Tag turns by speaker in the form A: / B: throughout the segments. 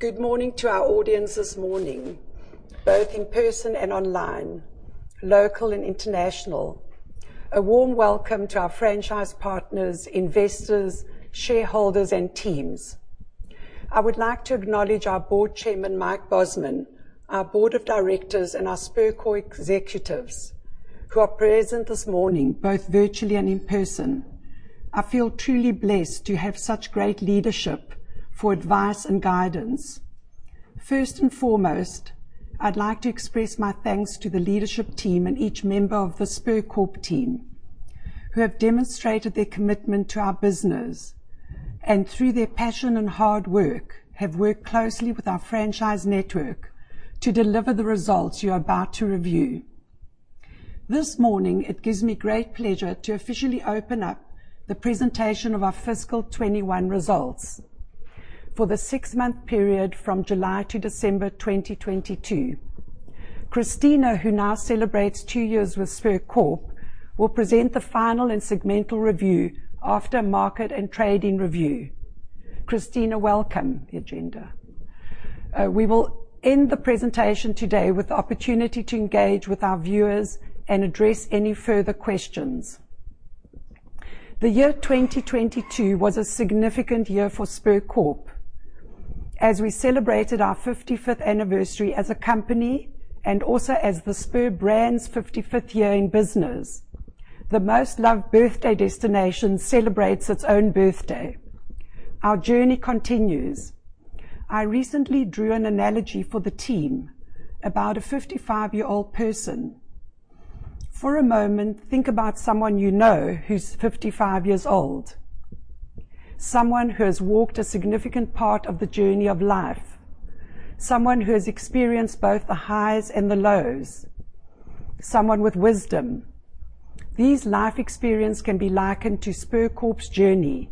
A: Good morning to our audience this morning, both in person and online, local and international. A warm welcome to our franchise partners, investors, shareholders, and teams. I would like to acknowledge our board chairman, Mike Bosman, our board of directors, and our Spur Corp executives who are present this morning, both virtually and in person. I feel truly blessed to have such great leadership for advice and guidance. First and foremost, I'd like to express my thanks to the leadership team and each member of the Spur Corp team who have demonstrated their commitment to our business, and through their passion and hard work, have worked closely with our franchise network to deliver the results you're about to review. This morning, it gives me great pleasure to officially open up the presentation of our fiscal 21 results for the six-month period from July to December 2022. Cristina, who now celebrates 2 years with Spur Corp, will present the final and segmental review after market and trading review. Cristina, welcome. The agenda. We will end the presentation today with the opportunity to engage with our viewers and address any further questions. The year 2022 was a significant year for Spur Corp as we celebrated our 55th anniversary as a company and also as the Spur brand's 55th year in business. The most loved birthday destination celebrates its own birthday. Our journey continues. I recently drew an analogy for the team about a 55-year-old person. For a moment, think about someone you know who's 55 years old, someone who has walked a significant part of the journey of life, someone who has experienced both the highs and the lows, someone with wisdom. These life experiences can be likened to Spur Corp's journey.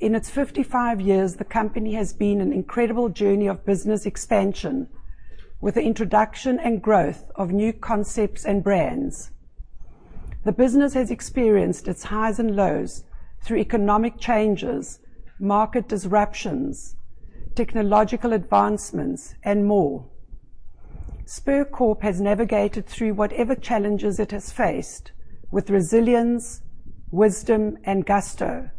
A: In its 55 years, the company has been an incredible journey of business expansion with the introduction and growth of new concepts and brands. The business has experienced its highs and lows through economic changes, market disruptions, technological advancements, and more. Spur Corp has navigated through whatever challenges it has faced with resilience, wisdom, and gusto,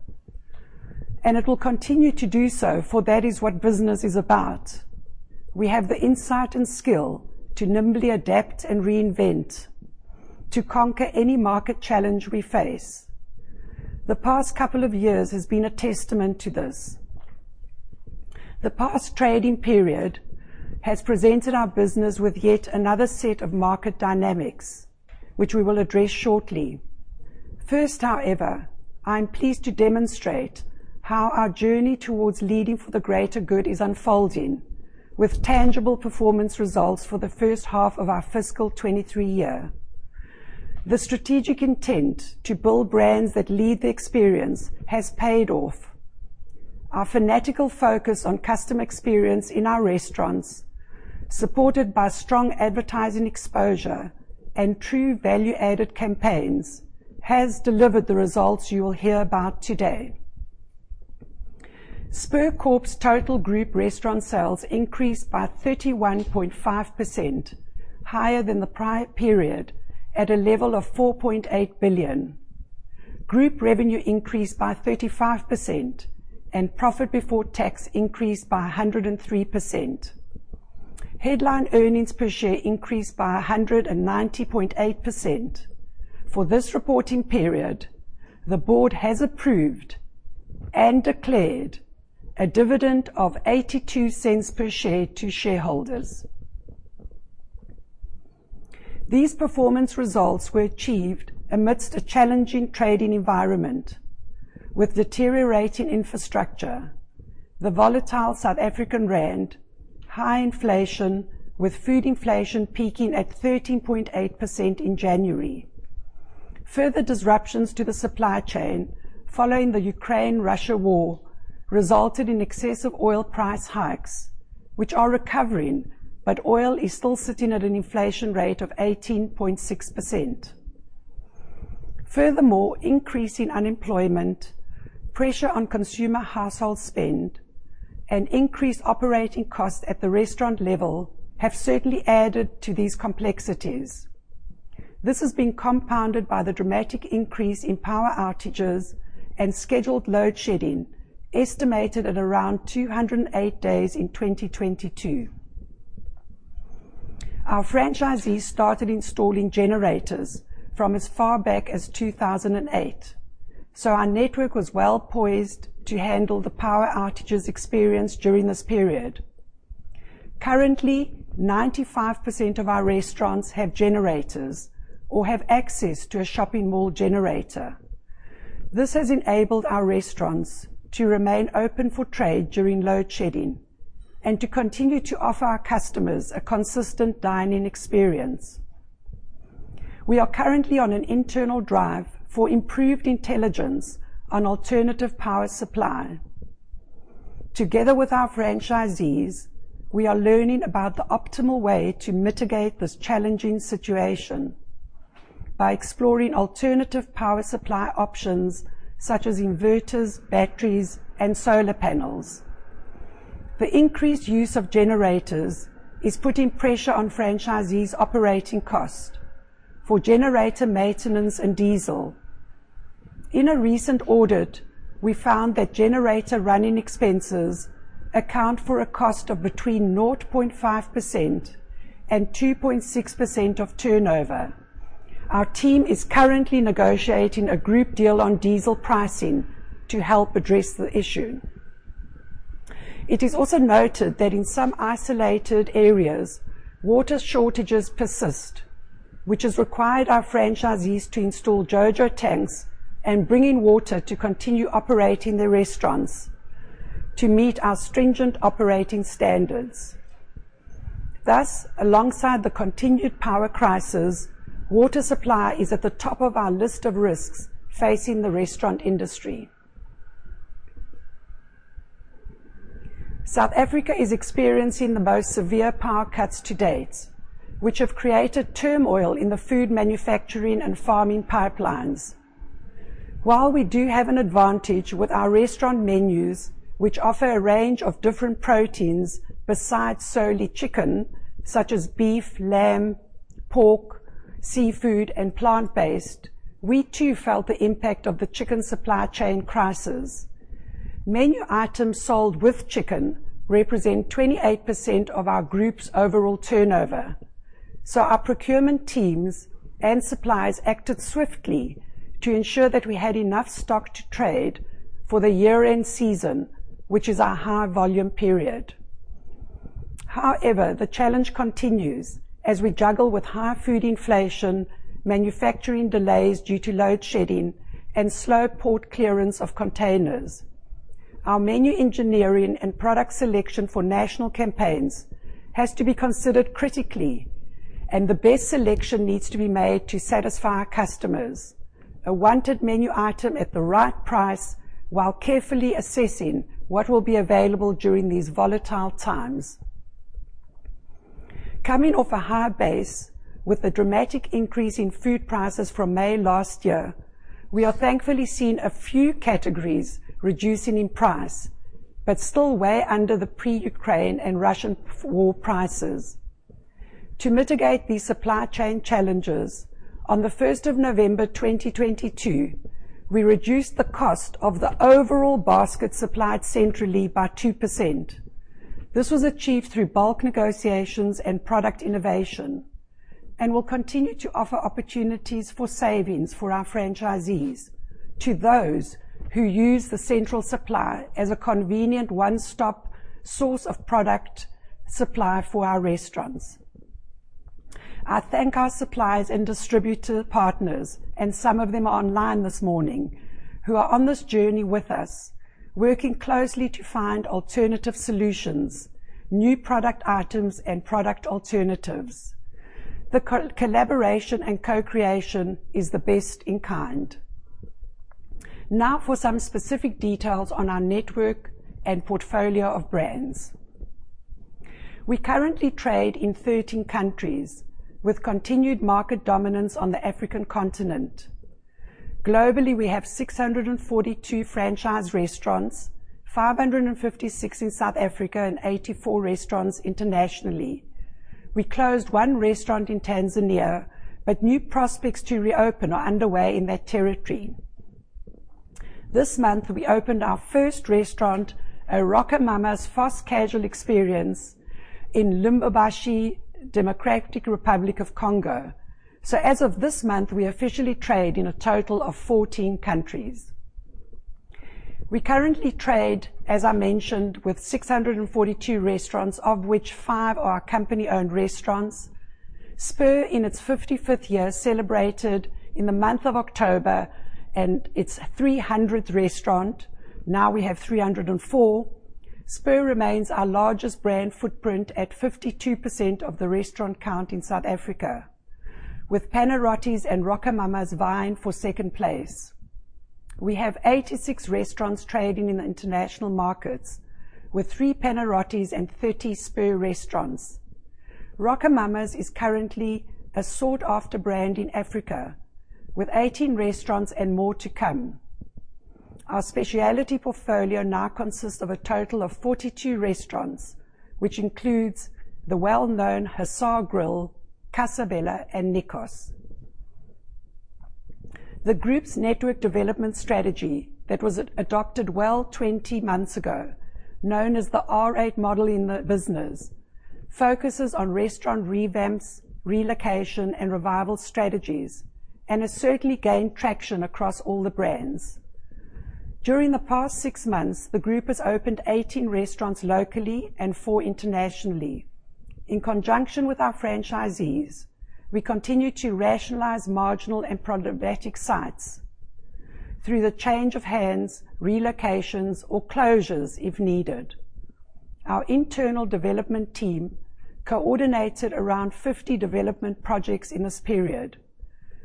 A: and it will continue to do so, for that is what business is about. We have the insight and skill to nimbly adapt and reinvent, to conquer any market challenge we face. The past couple of years have been a testament to this. The past trading period has presented our business with yet another set of market dynamics, which we will address shortly. First, however, I'm pleased to demonstrate how our journey towards leading for the greater good is unfolding with tangible performance results for the first half of our fiscal 2023 year. The strategic intent to build brands that lead the experience has paid off. Our fanatical focus on customer experience in our restaurants, supported by strong advertising exposure and true value-added campaigns, has delivered the results you will hear about today. Spur Corp's total group restaurant sales increased by 31.5% higher than the prior period at a level of 4.8 billion. Group revenue increased by 35%, and profit before tax increased by 103%. Headline earnings per share increased by 190.8%. For this reporting period, the board has approved and declared a dividend of 0.82 per share to shareholders. These performance results were achieved amidst a challenging trading environment with deteriorating infrastructure, the volatile South African rand, high inflation with food inflation peaking at 13.8% in January. Further disruptions to the supply chain following the Ukraine-Russia war resulted in excessive oil price hikes, which are recovering, but oil is still sitting at an inflation rate of 18.6%. Furthermore, an increase in unemployment, pressure on consumer household spend, and increased operating costs at the restaurant level have certainly added to these complexities. This has been compounded by the dramatic increase in power outages and scheduled load shedding, estimated at around 208 days in 2022. Our franchisees started installing generators from as far back as 2008, so our network was well poised to handle the power outages experienced during this period. Currently, 95% of our restaurants have generators or have access to a shopping mall generator. This has enabled our restaurants to remain open for trade during load shedding and to continue to offer our customers a consistent dine-in experience. We are currently on an internal drive for improved intelligence on alternative power supply. Together with our franchisees, we are learning the optimal way to mitigate this challenging situation by exploring alternative power supply options such as inverters, batteries, and solar panels. The increased use of generators is putting pressure on franchisees' operating cost for generator maintenance and diesel. In a recent audit, we found that generator running expenses account for a cost of between 0.5% and 2.6% of turnover. Our team is currently negotiating a group deal on diesel pricing to help address the issue. It is also noted that in some isolated areas, water shortages persist, which has required our franchisees to install JoJo Tanks and bring in water to continue operating their restaurants to meet our stringent operating standards. Alongside the continued power crisis, water supply is at the top of our list of risks facing the restaurant industry. South Africa is experiencing the most severe power cuts to date, which have created turmoil in the food manufacturing and farming pipelines. While we do have an advantage with our restaurant menus, which offer a range of different proteins besides solely chicken, such as beef, lamb, pork, seafood, and plant-based, we too felt the impact of the chicken supply chain crisis. Menu items sold with chicken represent 28% of our group's overall turnover, so our procurement teams and suppliers acted swiftly to ensure that we had enough stock to trade for the year-end season, which is our high volume period. However, the challenge continues as we juggle with high food inflation, manufacturing delays due to load shedding, and slow port clearance of containers. Our menu engineering and product selection for national campaigns has to be considered critically, and the best selection needs to be made to satisfy our customers, a wanted menu item at the right price while carefully assessing what will be available during these volatile times. Coming off a high base with a dramatic increase in food prices from May last year, we are thankfully seeing a few categories reducing in price, but still way under the pre-Ukraine and Russian war prices. To mitigate these supply chain challenges, on the 1st of November 2022, we reduced the cost of the overall basket supplied centrally by 2%. This was achieved through bulk negotiations and product innovation and will continue to offer opportunities for savings for our franchisees to those who use the central supply as a convenient one-stop source of product supply for our restaurants. I thank our suppliers and distributor partners. Some of them are online this morning, who are on this journey with us, working closely to find alternative solutions, new product items, and product alternatives. The collaboration and co-creation is the best in kind. For some specific details on our network and portfolio of brands. We currently trade in 13 countries with continued market dominance on the African continent. Globally, we have 642 franchise restaurants, 556 in South Africa and 84 restaurants internationally. We closed 1 restaurant in Tanzania, but new prospects to reopen are underway in that territory. This month, we opened our first restaurant, a RocoMamas fast casual experience in Lubumbashi, Democratic Republic of Congo. As of this month, we officially trade in a total of 14 countries. We currently trade, as I mentioned, with 642 restaurants, of which 5 are our company-owned restaurants. Spur, in its 55th year, celebrated in the month of October and its 300th restaurant. Now we have 304. Spur remains our largest brand footprint at 52% of the restaurant count in South Africa, with Panarottis and RocoMamas vying for second place. We have 86 restaurants trading in the international markets with three Panarottis and 30 Spur restaurants. RocoMamas is currently a sought-after brand in Africa with 18 restaurants and more to come. Our specialty portfolio now consists of a total of 42 restaurants, which includes the well-known Hussar Grill, Casa Bella, and Nikos. The group's network development strategy that was adopted well 20 months ago, known as the R8 model in the business, focuses on restaurant revamps, relocation, and revival strategies and has certainly gained traction across all the brands. During the past six months, the group has opened 18 restaurants locally and four internationally. In conjunction with our franchisees, we continue to rationalize marginal and problematic sites through the change of hands, relocations, or closures if needed. Our internal development team coordinated around 50 development projects in this period.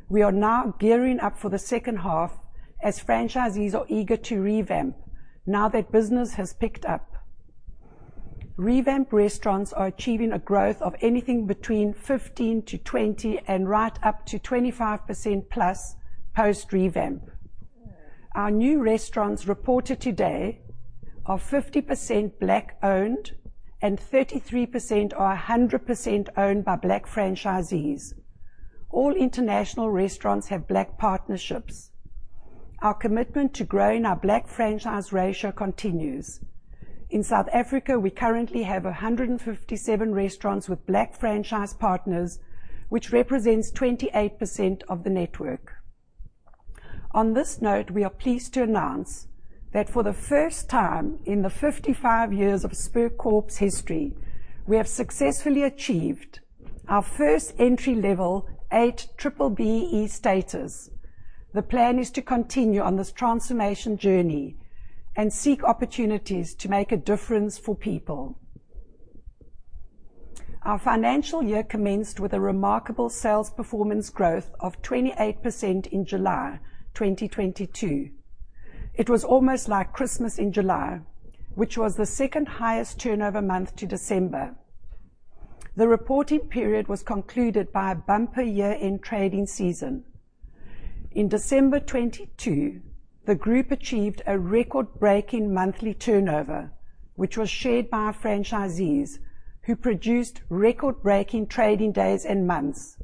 A: We are now gearing up for the second half as franchisees are eager to revamp now that business has picked up. Revamp restaurants are achieving a growth of anything between 15%-20% and right up to 25%+ post revamp. Our new restaurants reported today are 50% black-owned and 33% are 100% owned by black franchisees. All international restaurants have black partnerships. Our commitment to growing our black franchise ratio continues. In South Africa, we currently have 157 restaurants with black franchise partners, which represents 28% of the network. On this note, we are pleased to announce that for the first time in the 55 years of Spur Corp's history, we have successfully achieved our first entry-level B-BBEE status. The plan is to continue on this transformation journey and seek opportunities to make a difference for people. Our financial year commenced with a remarkable sales performance growth of 28% in July 2022. It was almost like Christmas in July, which was the second highest turnover month to December. The reported period was concluded by a bumper year-end trading season. In December 2022, the group achieved a record-breaking monthly turnover, which was shared by our franchisees, who produced record-breaking trading days and months.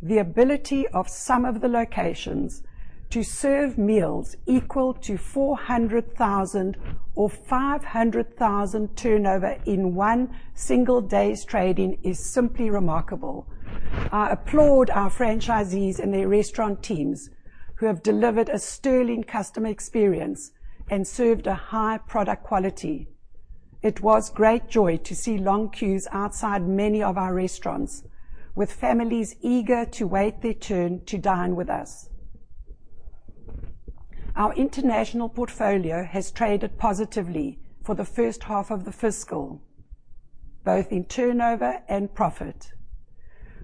A: The ability of some of the locations to serve meals equal to 400,000 or 500,000 turnover in one single day's trading is simply remarkable. I applaud our franchisees and their restaurant teams who have delivered a sterling customer experience and served a high product quality. It was great joy to see long queues outside many of our restaurants with families eager to wait their turn to dine with us. Our international portfolio has traded positively for the first half of the fiscal, both in turnover and profit.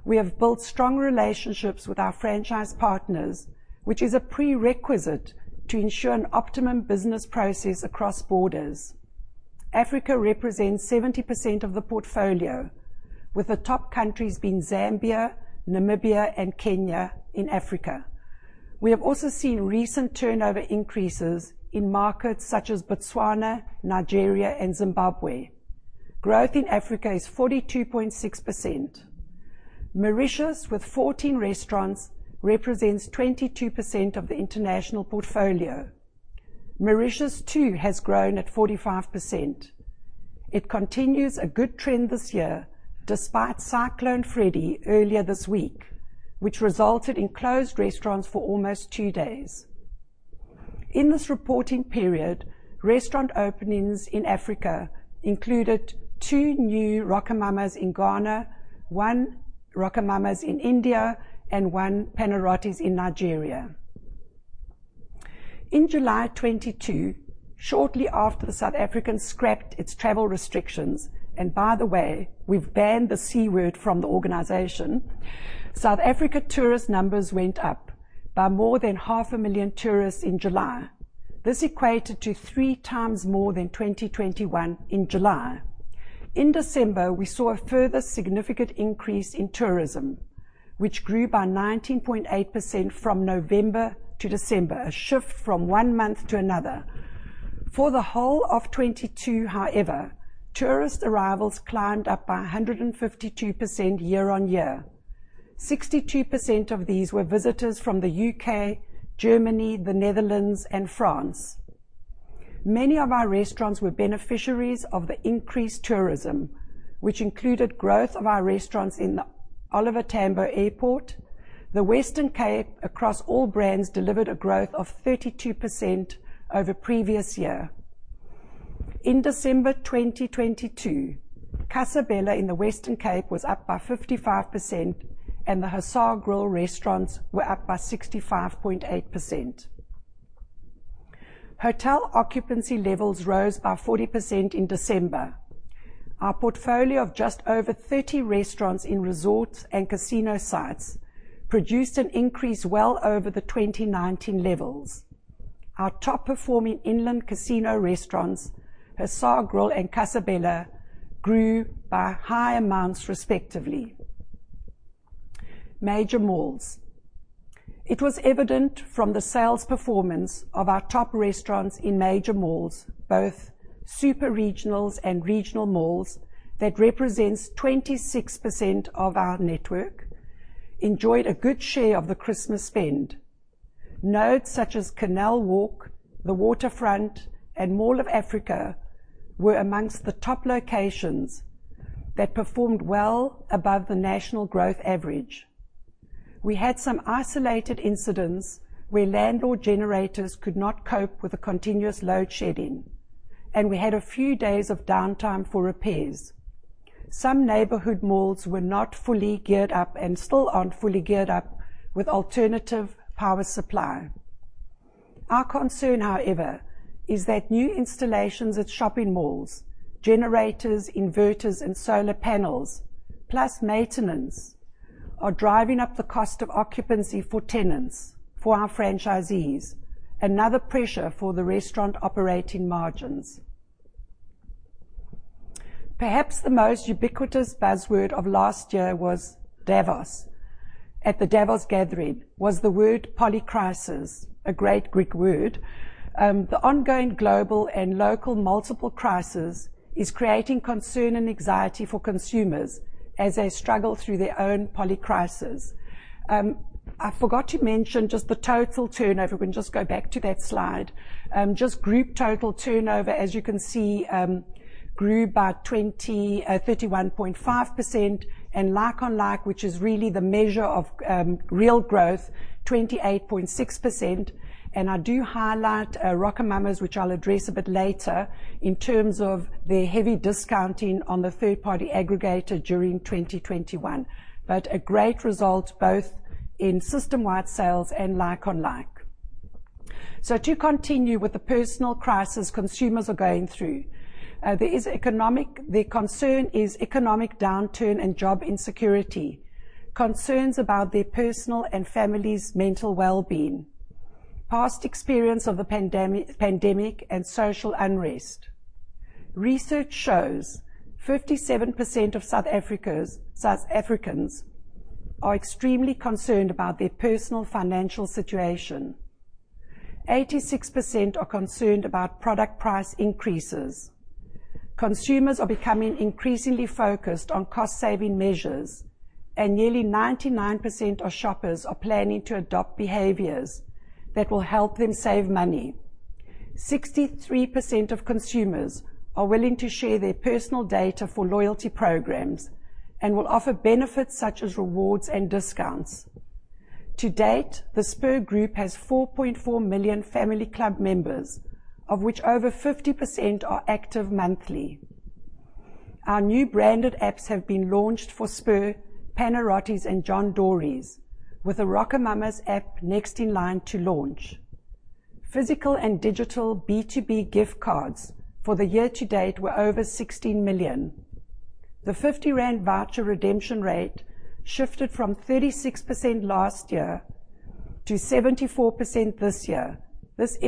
A: We have built strong relationships with our franchise partners, which is a prerequisite to ensure an optimum business process across borders. Africa represents 70% of the portfolio, with the top countries being Zambia, Namibia, and Kenya in Africa. We have also seen recent turnover increases in markets such as Botswana, Nigeria, and Zimbabwe. Growth in Africa is 42.6%. Mauritius, with 14 restaurants, represents 22% of the international portfolio. Mauritius, too, has grown at 45%. It continues a good trend this year despite Cyclone Freddy earlier this week, which resulted in closed restaurants for almost two days. In this reporting period, restaurant openings in Africa include two new RocoMamas in Ghana, one RocoMamas in India, and one Panarottis in Nigeria. In July 2022, shortly after South African scrapped its travel restrictions, and by the way, we've banned the C word from the organization, South Africa tourist numbers went up by more than 500,000 tourists in July. This equated to 3 times more than 2021 in July. In December, we saw a further significant increase in tourism, which grew by 19.8% from November to December, a shift from one month to another. For the whole of 2022, however, tourist arrivals climbed up by 152% year-on-year. 62% of these were visitors from the UK, Germany, the Netherlands, and France. Many of our restaurants were beneficiaries of the increased tourism, which included growth of our restaurants in the O. R. Tambo International Airport. The Western Cape across all brands delivered a growth of 32% over previous year. In December 2022, Casa Bella in the Western Cape was up by 55% and The Hussar Grill restaurants were up by 65.8%. Hotel occupancy levels rose by 40% in December. Our portfolio of just over 30 restaurants in resorts and casino sites produced an increase well over the 2019 levels. Our top performing inland casino restaurants, The Hussar Grill and Casa Bella, grew by high amounts respectively. Major malls. It was evident from the sales performance of our top restaurants in major malls, both super regionals and regional malls, that represents 26% of our network, enjoyed a good share of the Christmas spend. Nodes such as Canal Walk, The Waterfront, and Mall of Africa were amongst the top locations that performed well above the national growth average. We had some isolated incidents where landlord generators could not cope with the continuous load shedding, and we had a few days of downtime for repairs. Some neighborhood malls were not fully geared up and still aren't fully geared up with alternative power supply. Our concern, however, is that new installations at shopping malls, generators, inverters, and solar panels, plus maintenance are driving up the cost of occupancy for tenants, for our franchisees, another pressure for the restaurant operating margins. Perhaps the most ubiquitous buzzword of last year was Davos. At the Davos gathering was the word polycrisis, a great Greek word. The ongoing global and local multiple crisis is creating concern and anxiety for consumers as they struggle through their own polycrisis. I forgot to mention just the total turnover. We can just go back to that slide. Just group total turnover, as you can see, grew by 31.5% and like-on-like, which is really the measure of real growth, 28.6%. I do highlight RocoMamas, which I'll address a bit later, in terms of their heavy discounting on the third-party aggregator during 2021. A great result both in system-wide sales and like-on-like. To continue with the personal crisis consumers are going through, their concern is economic downturn and job insecurity, concerns about their personal and family's mental well-being, past experience of the pandemic and social unrest. Research shows 57% of South Africans are extremely concerned about their personal financial situation. 86% are concerned about product price increases. Consumers are becoming increasingly focused on cost-saving measures, nearly 99% of shoppers are planning to adopt behaviors that will help them save money. 63% of consumers are willing to share their personal data for loyalty programs and will offer benefits such as rewards and discounts. To date, the Spur Corporation has 4.4 million Family Club members, of which over 50% are active monthly. Our new branded apps have been launched for Spur, Panarottis and John Dory's, with the RocoMamas app next in line to launch. Physical and digital B2B gift cards for the year to date were over 16 million. The 50 rand voucher redemption rate shifted from 36% last year to 74% this year. This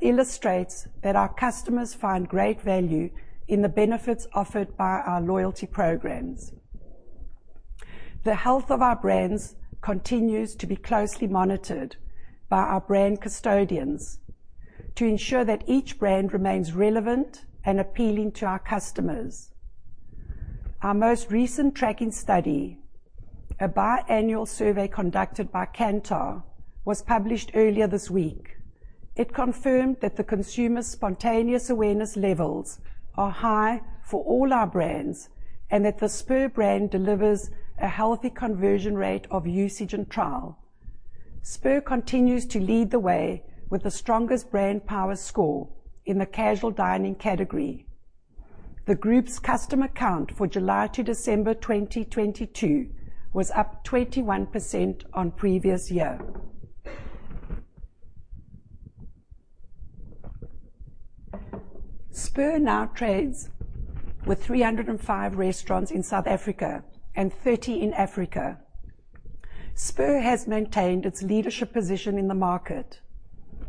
A: illustrates that our customers find great value in the benefits offered by our loyalty programs. The health of our brands continues to be closely monitored by our brand custodians to ensure that each brand remains relevant and appealing to our customers. Our most recent tracking study, a biannual survey conducted by Kantar, was published earlier this week. It confirmed that the consumer's spontaneous awareness levels are high for all our brands, and that the Spur brand delivers a healthy conversion rate of usage and trial. Spur continues to lead the way with the strongest brand power score in the casual dining category. The group's customer count for July to December 2022 was up 21% on previous year. Spur now trades with 305 restaurants in South Africa and 30 in Africa. Spur has maintained its leadership position in the market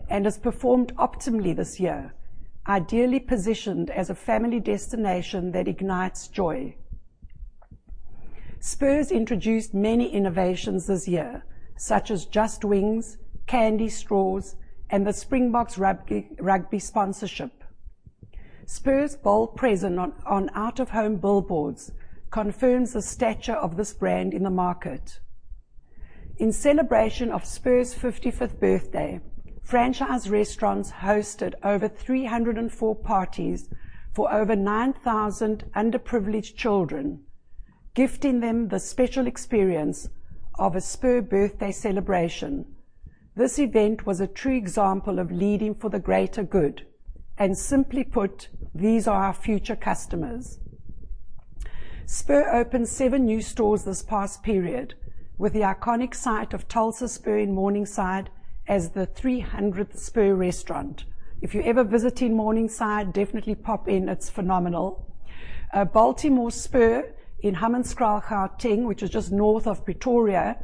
A: and has performed optimally this year, ideally positioned as a family destination that ignites joy. Spur introduced many innovations this year, such as Just Wings, candy straws, and the Springboks rugby sponsorship. Spur's bold presence on out-of-home billboards confirms the stature of this brand in the market. In celebration of Spur's 55th birthday, franchise restaurants hosted over 304 parties for over 9,000 underprivileged children, gifting them the special experience of a Spur birthday celebration. This event was a true example of leading for the greater good. Simply put, these are our future customers. Spur opened 7 new stores this past period, with the iconic site of Tulsa Spur in Morningside as the 300th Spur restaurant. If you're ever visiting Morningside, definitely pop in. It's phenomenal. Baltimore Spur in Hammanskraal, Gauteng, which is just north of Pretoria,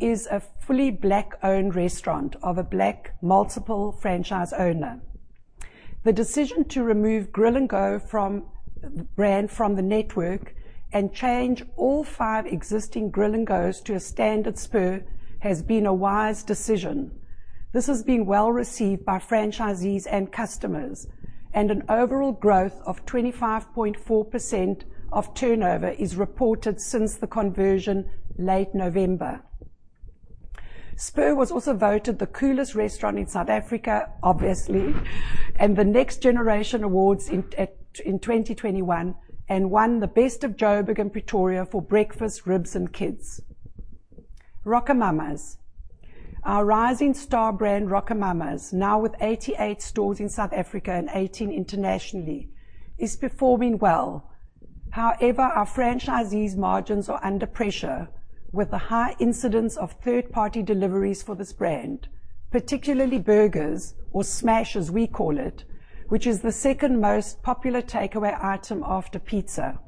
A: is a fully Black-owned restaurant of a Black multiple franchise owner. The decision to remove Grill & Go from the network and change all 5 existing Grill & Go's to a standard Spur has been a wise decision. This has been well-received by franchisees and customers, an overall growth of 25.4% of turnover is reported since the conversion late November. Spur was also voted the coolest restaurant in South Africa, obviously, in the Next Generation Awards in 2021, and won the Best of Joburg and Pretoria for breakfast, ribs and kids. RocoMamas. Our rising star brand, RocoMamas, now with 88 stores in South Africa and 18 internationally, is performing well. However, our franchisees' margins are under pressure with the high incidence of third-party deliveries for this brand. Particularly burgers or Smash, as we call it, which is the second most popular takeaway item after pizza.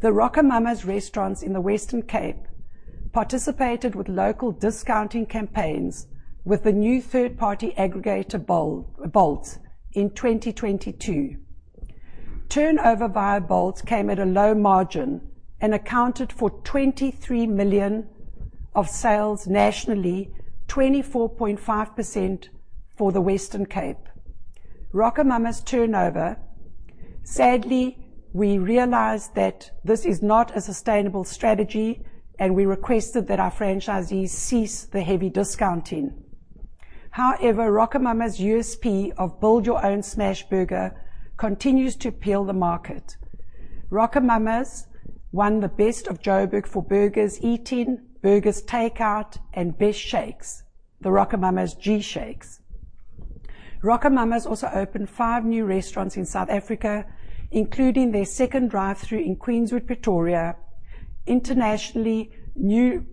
A: The RocoMamas restaurants in the Western Cape participated with local discounting campaigns with the new third-party aggregator Bolt in 2022. Turnover via Bolt came at a low margin and accounted for 23 million of sales nationally, 24.5% for the Western Cape. RocoMamas turnover, sadly, we realized that this is not a sustainable strategy, and we requested that our franchisees cease the heavy discounting. RocoMamas USP of build your own smashburger continues to appeal the market. RocoMamas won the Best of Joburg for burgers eaten, burgers takeout, and best shakes. The RocoMamas G-Shakes. RocoMamas also opened 5 new restaurants in South Africa, including their second drive-thru in Queenswood, Pretoria. Internationally, new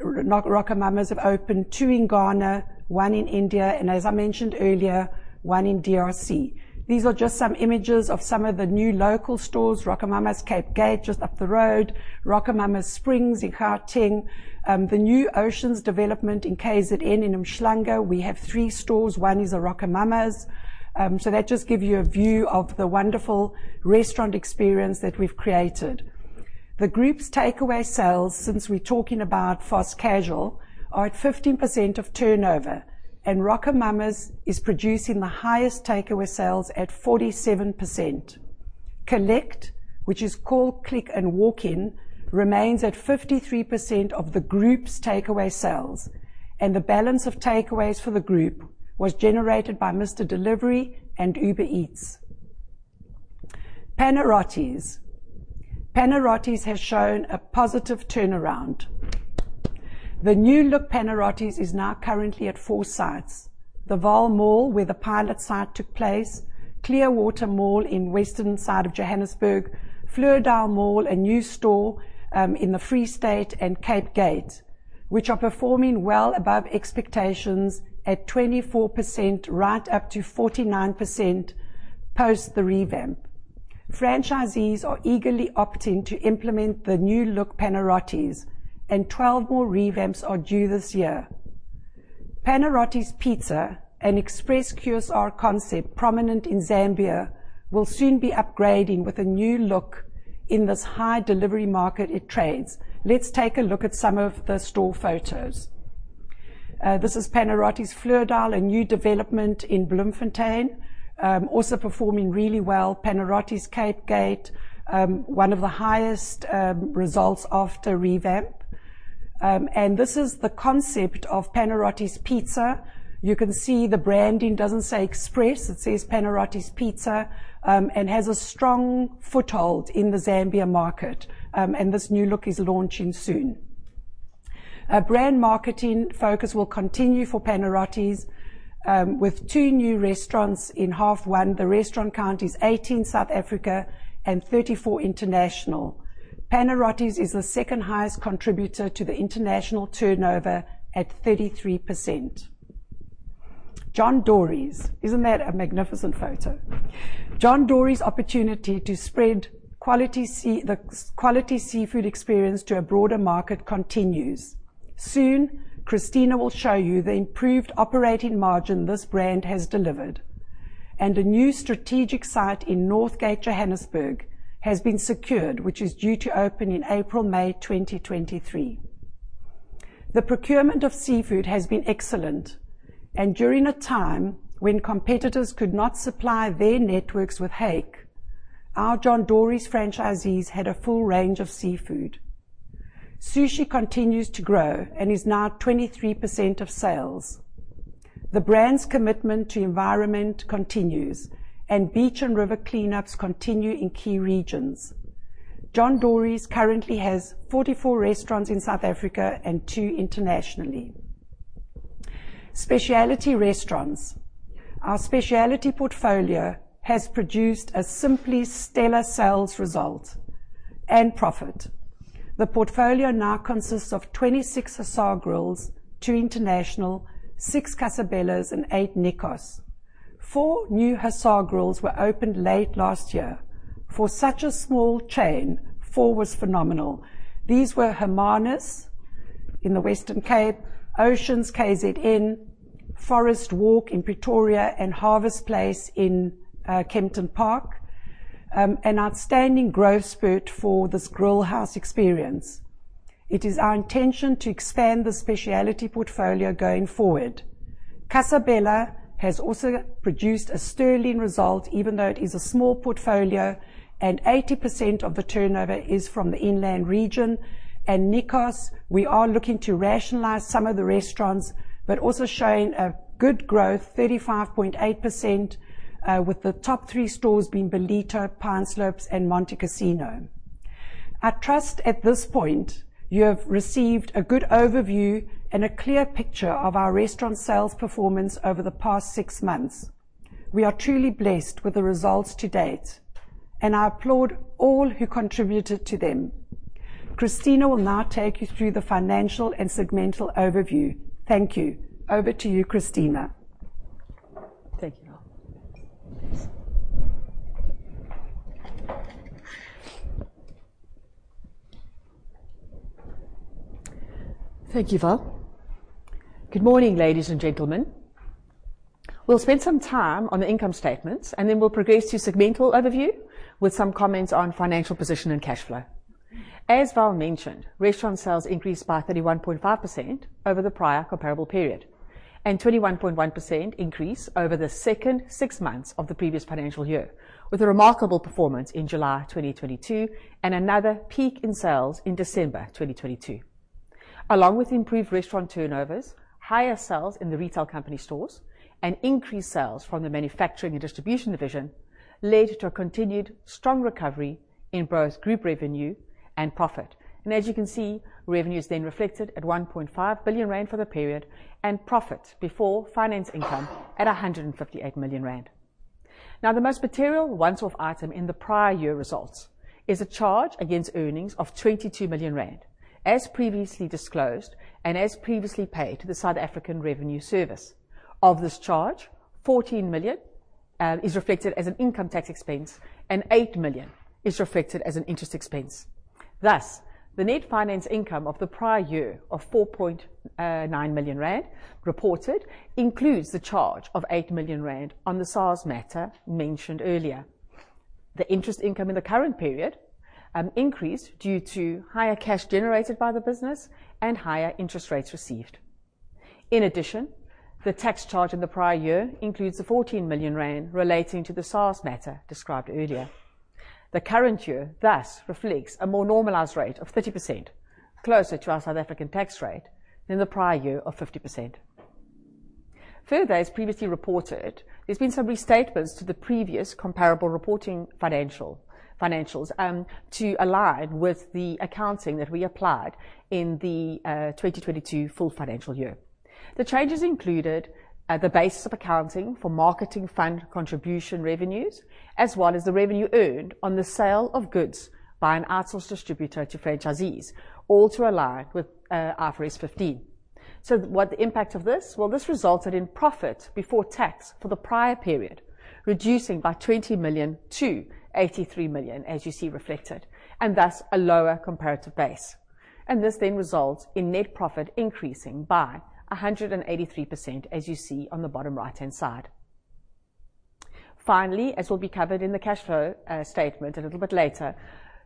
A: RocoMamas have opened, 2 in Ghana, 1 in India, and as I mentioned earlier, 1 in DRC. These are just some images of some of the new local stores, RocoMamas, Cape Gate, just up the road, RocoMamas Springs in Gauteng. The new Oceans Development in KZN, in Umhlanga, we have 3 stores, one is a RocoMamas. That just gives you a view of the wonderful restaurant experience that we've created. The group's takeaway sales, since we're talking about fast casual, are at 15% of turnover, RocoMamas is producing the highest takeaway sales at 47%. Collect, which is call, click, and walk-in, remains at 53% of the group's takeaway sales, the balance of takeaways for the group was generated by Mr D and Uber Eats. Panarottis. Panarottis has shown a positive turnaround. The new look Panarottis is now currently at 4 sites. The Vaal Mall, where the pilot site took place, Clearwater Mall in western side of Johannesburg, Fleur du Cap, a new store in the Free State, and Cape Gate, which are performing well above expectations at 24%, right up to 49% post the revamp. Franchisees are eagerly opting to implement the new look Panarottis, and 12 more revamps are due this year. Panarottis Pizza, an express QSR concept prominent in Zambia, will soon be upgrading with a new look in this high delivery market it trades. Let's take a look at some of the store photos. This is Panarottis Fleur du Cap, a new development in Bloemfontein, also performing really well. Panarottis Cape Gate, one of the highest results after revamp. This is the concept of Panarottis Pizza. You can see the branding doesn't say Express, it says Panarottis Pizza, and has a strong foothold in the Zambia market. This new look is launching soon. A brand marketing focus will continue for Panarottis with 2 new restaurants in half 1. The restaurant count is 18, South Africa, and 34 international. Panarottis is the second highest contributor to the international turnover at 33%. John Dory's. Isn't that a magnificent photo? John Dorys opportunity to spread the quality seafood experience to a broader market continues. Soon, Cristina will show you the improved operating margin this brand has delivered. A new strategic site in Northgate, Johannesburg, has been secured, which is due to open in April, May 2023. The procurement of seafood has been excellent. During a time when competitors could not supply their networks with hake, our John Dory's franchisees had a full range of seafood. Sushi continues to grow and is now 23% of sales. The brand's commitment to environment continues. Beach and river cleanups continue in key regions. John Dory's currently has 44 restaurants in South Africa and 2 internationally. Specialty restaurants. Our specialty portfolio has produced a simply stellar sales result and profit. The portfolio now consists of 26 Hussar Grills, 2 international, 6 Casa Bellas, and 8 Nikos. 4 new Hussar Grills were opened late last year. For such a small chain, 4 was phenomenal. These were Hermanus in the Western Cape, Oceans KZN, Forest Walk in Pretoria, and Harvest Place in Kempton Park. An outstanding growth spurt for this grill house experience. It is our intention to expand the specialty portfolio going forward. Casa Bella has also produced a sterling result, even though it is a small portfolio and 80% of the turnover is from the inland region. Nikos, we are looking to rationalize some of the restaurants, but also showing a good growth, 35.8%, with the top three stores being Ballito, Pineslopes, and Montecasino. I trust at this point you have received a good overview and a clear picture of our restaurant sales performance over the past six months. We are truly blessed with the results to date. I applaud all who contributed to them. Cristina will now take you through the financial and segmental overview. Thank you. Over to you, Cristina.
B: Thank you, Val. Good morning, ladies and gentlemen. We'll spend some time on the income statements, then we'll progress to segmental overview with some comments on financial position and cash flow. As Val mentioned, restaurant sales increased by 31.5% over the prior comparable period and 21.1% increase over the second six months of the previous financial year, with a remarkable performance in July 2022 and another peak in sales in December 2022. Along with improved restaurant turnovers, higher sales in the retail company stores and increased sales from the manufacturing and distribution division led to a continued strong recovery in both group revenue and profit. As you can see, revenue is then reflected at 1.5 billion rand for the period and profit before finance income at 158 million rand. The most material once-off item in the prior year results is a charge against earnings of 22 million rand. As previously disclosed and as previously paid to the South African Revenue Service. Of this charge, 14 million is reflected as an income tax expense and 8 million is reflected as an interest expense. The net finance income of the prior year of 4.9 million rand reported includes the charge of 8 million rand on the SARS matter mentioned earlier. The interest income in the current period increased due to higher cash generated by the business and higher interest rates received. The tax charge in the prior year includes the 14 million rand relating to the SARS matter described earlier. The current year thus reflects a more normalized rate of 30%, closer to our South African tax rate than the prior year of 50%. Further, as previously reported, there's been some restatements to the previous comparable reporting financials, to align with the accounting that we applied in the 2022 full financial year. The changes included the basis of accounting for marketing fund contribution revenues, as well as the revenue earned on the sale of goods by an outsourced distributor to franchisees, all to align with IFRS 15. What the impact of this? Well, this resulted in profit before tax for the prior period, reducing by 20 million to 83 million, as you see reflected, and thus a lower comparative base. This then results in net profit increasing by 183%, as you see on the bottom right-hand side. Finally, as will be covered in the cash flow statement a little bit later,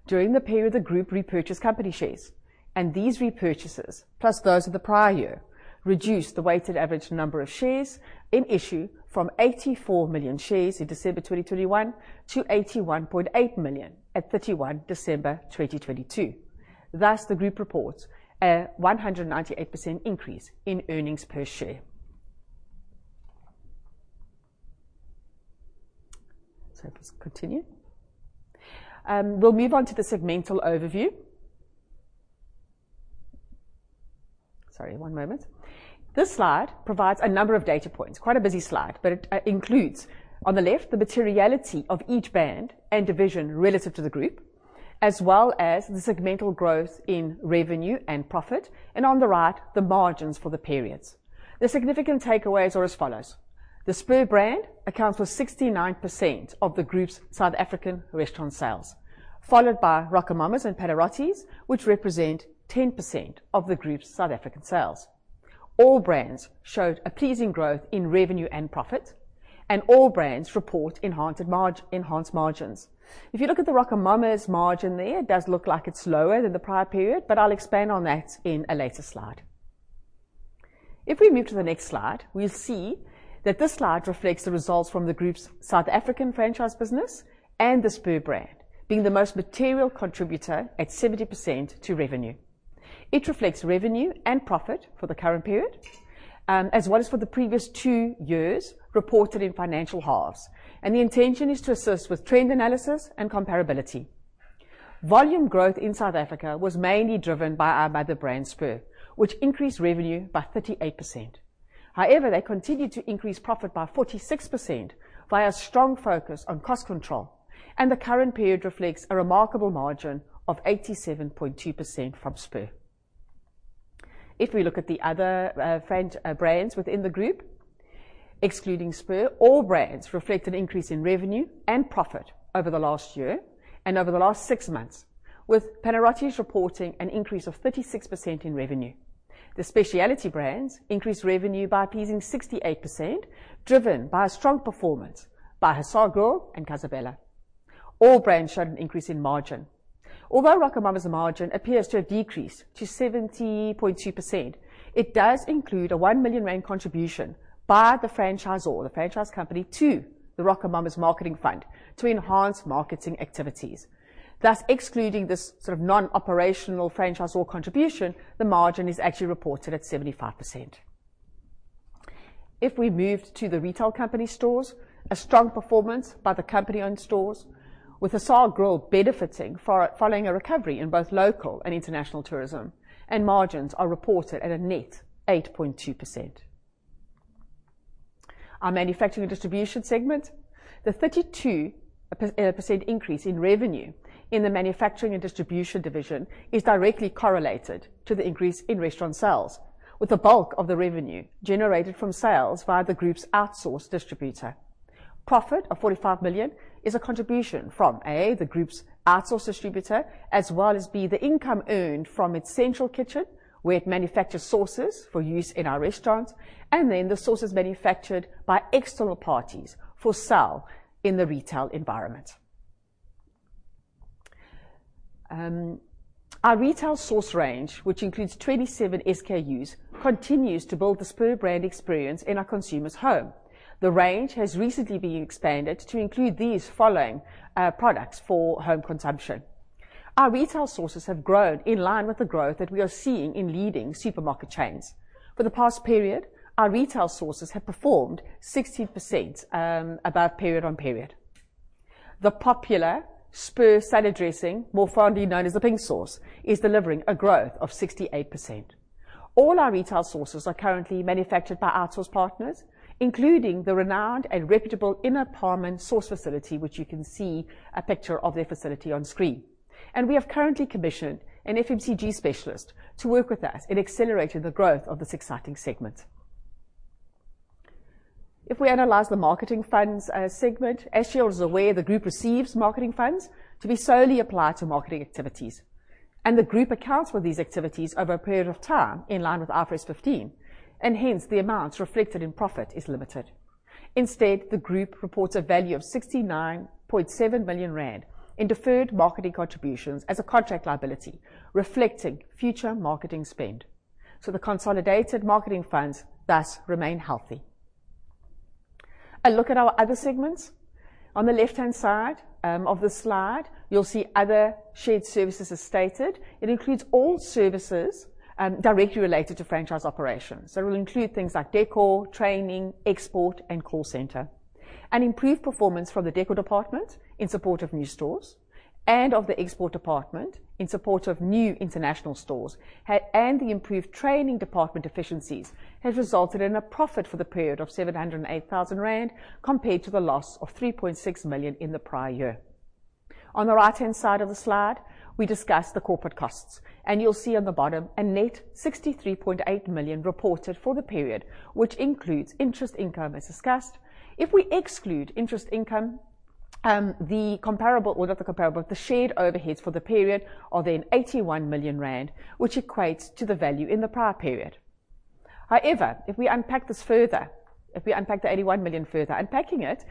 B: during the period, the group repurchased company shares, and these repurchases, plus those of the prior year, reduced the weighted average number of shares in issue from 84 million shares in December 2021 to 81.8 million at 31 December 2022. Thus, the group reports a 198% increase in earnings per share. Just continue. We'll move on to the segmental overview. Sorry, one moment. This slide provides a number of data points. Quite a busy slide, but it includes, on the left, the materiality of each brand and division relative to the group, as well as the segmental growth in revenue and profit. On the right, the margins for the periods. The significant takeaways are as follows: The Spur brand accounts for 69% of the group's South African restaurant sales, followed by RocoMamas and Panarottis, which represent 10% each of the group's South African sales. All brands showed a pleasing growth in revenue and profit, and all brands report enhanced margins. If you look at the RocoMamas margin there, it does look like it's lower than the prior period, I'll expand on that in a later slide. If we move to the next slide, we'll see that this slide reflects the results from the group's South African franchise business and the Spur brand being the most material contributor at 70% to revenue. It reflects revenue and profit for the current period, as well as for the previous 2 years, reported in financial halves, and the intention is to assist with trend analysis and comparability. Volume growth in South Africa was mainly driven by the brand Spur, which increased revenue by 38%. However, they continued to increase profit by 46% via strong focus on cost control, and the current period reflects a remarkable margin of 87.2% from Spur. If we look at the other brands within the group, excluding Spur, all brands reflect an increase in revenue and profit over the last year and over the last 6 months, with Panarottis reporting an increase of 36% in revenue. The specialty brands increased revenue by a pleasing 68%, driven by a strong performance by Hussar Grill and Casa Bella. All brands showed an increase in margin. Although RocoMamas' margin appears to have decreased to 70.2%, it does include a 1 million rand contribution by the franchisor, the franchise company, to the RocoMamas' marketing fund to enhance marketing activities. Thus, excluding this sort of non-operational franchisor contribution, the margin is actually reported at 75%. If we move to the retail company stores, a strong performance by the company-owned stores with The Hussar Grill benefiting following a recovery in both local and international tourism, and margins are reported at a net 8.2%. Our manufacturing and distribution segment. The 32% increase in revenue in the manufacturing and distribution division is directly correlated to the increase in restaurant sales, with the bulk of the revenue generated from sales via the group's outsourced distributor. Profit of 45 million is a contribution from, A, the group's outsourced distributor, as well as, B, the income earned from its central kitchen, where it manufactures sauces for use in our restaurants, and then the sauces manufactured by external parties for sale in the retail environment. Our retail sauce range, which includes 27 SKUs, continues to build the Spur brand experience in our consumer's home. The range has recently been expanded to include these following products for home consumption. Our retail sauces have grown in line with the growth that we are seeing in leading supermarket chains. For the past period, our retail sauces have performed 60% above period on period. The popular Spur salad dressing, more fondly known as the pink sauce, is delivering a growth of 68%. All our retail sauces are currently manufactured by outsourced distributor, including the renowned and reputable Ina Paarman sauce facility, which you can see a picture of their facility on screen. We have currently commissioned an FMCG specialist to work with us in accelerating the growth of this exciting segment. If we analyze the marketing fund segment, as you're aware, the group receives marketing funds to be solely applied to marketing activities. The group accounts for these activities over a period of time in line with IFRS 15, and hence the amounts reflected in profit is limited. Instead, the group reports a value of 69.7 million rand in deferred marketing contributions as a contract liability reflecting future marketing spend. The consolidated marketing funds thus remain healthy. A look at our other segments. On the left-hand side of the slide, you'll see other shared services as stated. It includes all services directly related to franchise operations. It will include things like decor, training, export, and call center. An improved performance from the decor department in support of new stores and of the export department in support of new international stores and the improved training department efficiencies has resulted in a profit for the period of 708,000 rand compared to the loss of 3.6 million in the prior year. On the right-hand side of the slide, we discuss the corporate costs, and you'll see on the bottom a net 63.8 million reported for the period, which includes interest income as discussed. If we exclude interest income, the comparable or not the comparable, the shared overheads for the period are then 81 million rand, which equates to the value in the prior period. If we unpack this further, if we unpack the 81 million further, unpacking it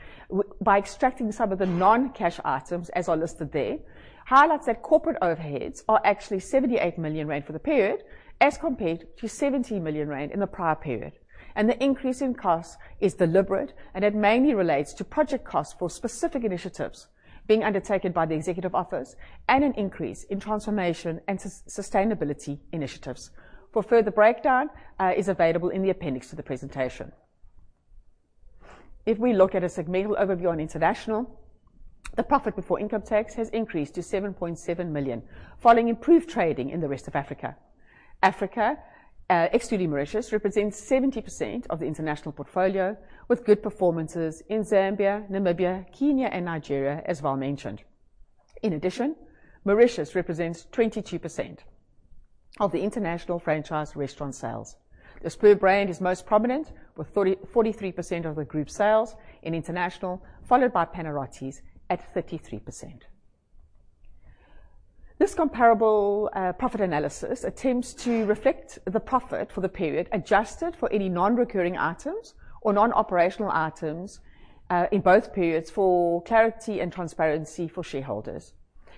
B: by extracting some of the non-cash items as are listed there, highlights that corporate overheads are actually 78 million rand for the period, as compared to 70 million rand in the prior period. The increase in costs is deliberate, and it mainly relates to project costs for specific initiatives being undertaken by the executive office and an increase in transformation and sustainability initiatives. A further breakdown is available in the appendix to the presentation. If we look at a segmental overview on international, the profit before income tax has increased to 7.7 million following improved trading in the rest of Africa. Africa, excluding Mauritius, represents 70% of the international portfolio, with good performances in Zambia, Namibia, Kenya, and Nigeria as well-mentioned. In addition, Mauritius represents 22% of the international franchise restaurant sales. The Spur brand is most prominent with 43% of the group's sales in international, followed by Panarottis at 33%. This comparable profit analysis attempts to reflect the profit for the period adjusted for any non-recurring items or non-operational items in both periods for clarity and transparency for shareholders.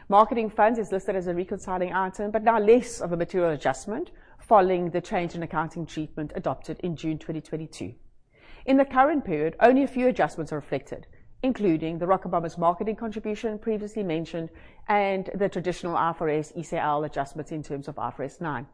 B: Marketing funds is listed as a reconciling item, but now less of a material adjustment following the change in accounting treatment adopted in June 2022. In the current period, only a few adjustments are reflected, including the RocoMamas' marketing contribution previously mentioned and the traditional IFRS ECL adjustments in terms of IFRS 9.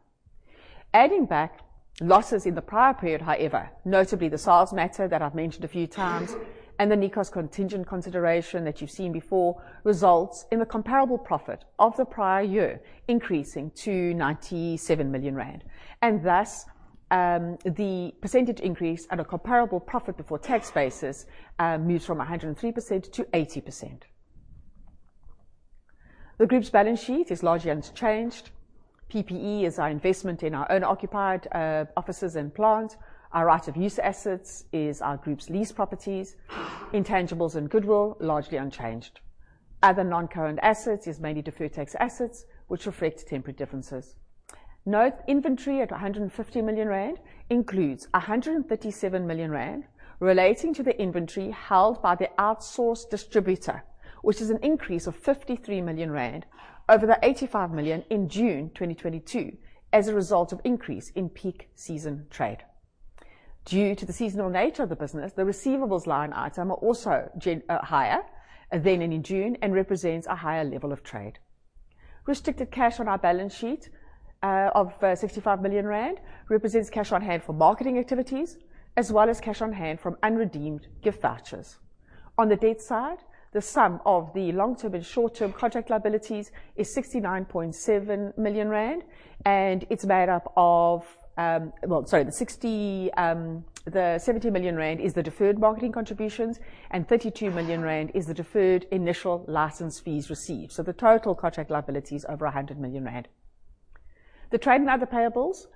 B: Adding back losses in the prior period, however, notably the sales matter that I've mentioned a few times and the Nikos contingent consideration that you've seen before, results in the comparable profit of the prior year increasing to 97 million rand. Thus, the percentage increase at a comparable profit before tax basis, moves from 103% to 80%. The group's balance sheet is largely unchanged. PPE is our investment in our own occupied, offices and plant. Our right of use assets is our group's lease properties. Intangibles and goodwill, largely unchanged. Other non-current assets is mainly deferred tax assets which reflect temporary differences. Note inventory at 150 million rand includes 137 million rand relating to the inventory held by the outsourced distributor, which is an increase of 53 million rand over 85 million in June 2022 as a result of increase in peak season trade. Due to the seasonal nature of the business, the receivables line item are also higher than in June and represents a higher level of trade. Restricted cash on our balance sheet of 65 million rand represents cash on hand for marketing activities as well as cash on hand from unredeemed gift vouchers. On the debt side, the sum of the long-term and short-term contract liabilities is 69.7 million rand, and it's made up of. Well, sorry, 60, the 70 million rand is the deferred marketing contributions, and 32 million rand is the deferred initial license fees received. The total contract liability is over 100 million rand. The trade and other payables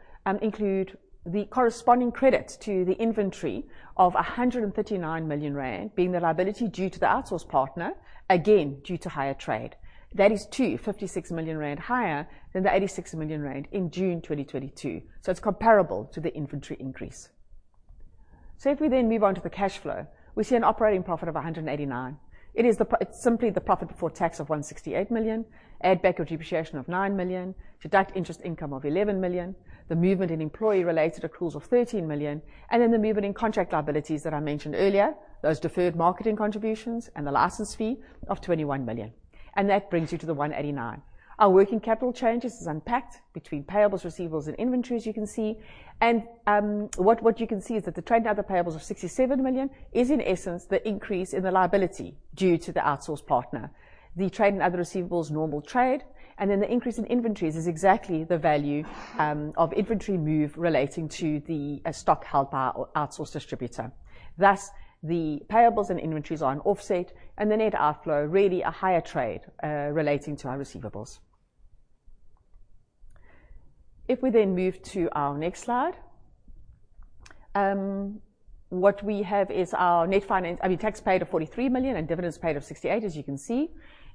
B: include the corresponding credits to the inventory of 139 million rand being the liability due to the outsource partner, again, due to higher trade. That is too 56 million rand higher than the 86 million rand in June 2022. It's comparable to the inventory increase. If we move on to the cash flow, we see an operating profit of 189 million. It is simply the profit before tax of 168 million, add back of depreciation of 9 million, deduct interest income of 11 million, the movement in employee related accruals of 13 million. Then the movement in contract liabilities that I mentioned earlier, those deferred marketing contributions and the license fee of 21 million. That brings you to the 189. Our working capital changes is unpacked between payables, receivables, and inventories you can see. What you can see is that the trade and other payables of 67 million is in essence the increase in the liability due to the outsource partner. The trade and other receivables, normal trade, and then the increase in inventories is exactly the value of inventory move relating to the stock held by our outsource distributor. The payables and inventories are an offset and the net outflow really a higher trade relating to our receivables. We move to our next slide, what we have is our net tax paid of 43 million and dividends paid of 68 million, as you can see.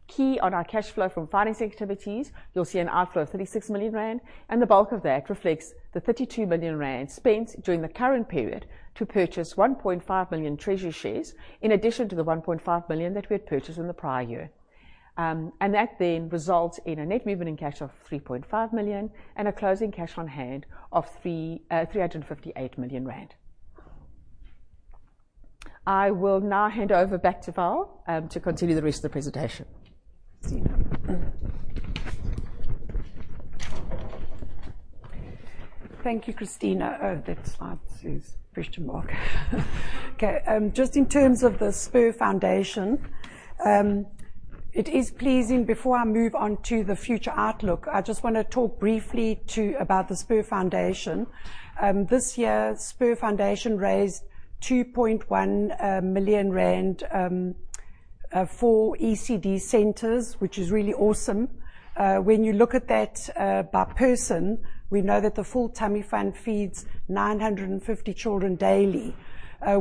B: Key on our cash flow from financing activities, you'll see an outflow of 36 million rand, and the bulk of that reflects the 32 million rand spent during the current period to purchase 1.5 million treasury shares, in addition to the 1.5 million that we had purchased in the prior year. That results in a net movement in cash of 3.5 million and a closing cash on hand of 358 million rand. I will now hand over back to Val, to continue the rest of the presentation.
A: Thank you, Cristina. That slide says question mark. Just in terms of the Spur Foundation, it is pleasing. Before I move on to the future outlook, I just wanna talk briefly about the Spur Foundation. This year, Spur Foundation raised 2.1 million rand for ECD centers, which is really awesome. When you look at that, by person, we know that the Full Tummy Fund feeds 950 children daily.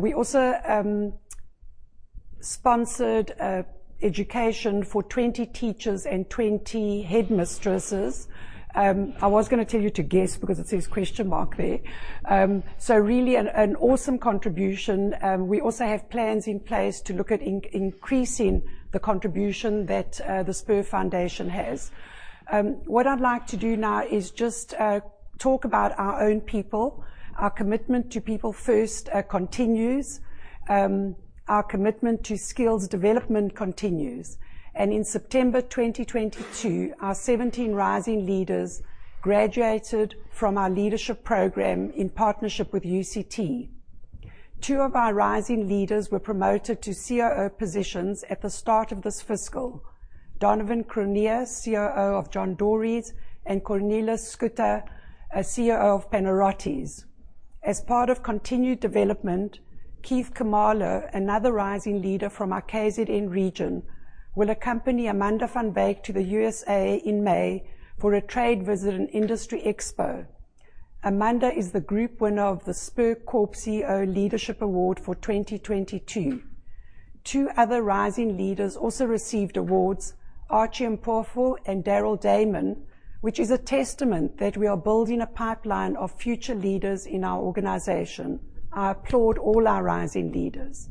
A: We also sponsored education for 20 teachers and 20 headmistresses. I was gonna tell you to guess because it says question mark there. Really an awesome contribution. We also have plans in place to look at increasing the contribution that the Spur Foundation has. What I'd like to do now is talk about our own people. Our commitment to People First continues. Our commitment to skills development continues. In September 2022, our 17 Rising Leaders graduated from our leadership program in partnership with UCT. Two of our Rising Leaders were promoted to COO positions at the start of this fiscal. Donovan Cronje, COO of John Dory's, and Cornelis Schutte, COO of Panarottis. As part of continued development, Keith Khumalo, another Rising Leader from our KZN region, will accompany Amanda van Wyk to the USA in May for a trade visit and industry expo. Amanda is the group winner of the Spur Corp COO Leadership Award for 2022. Two other Rising Leaders also received awards, Archie Mpofu and Darryl Damen, which is a testament that we are building a pipeline of future leaders in our organization. I applaud all our Rising Leaders.